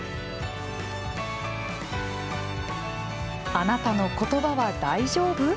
あなたの言葉は大丈夫？